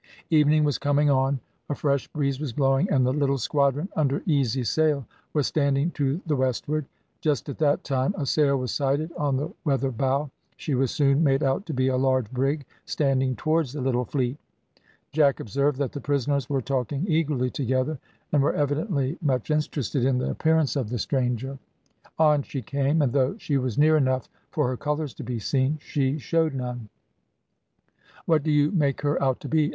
Evening was coming on, a fresh breeze was blowing, and the little squadron, under easy sail, was standing to the westward. Just at that time a sail was sighted on the weather bow; she was soon made out to be a large brig standing towards the little fleet. Jack observed that the prisoners were talking eagerly together, and were evidently much interested in the appearance of the stranger. On she came, and though she was near enough for her colours to be seen she showed none. "What do you make her out to be?"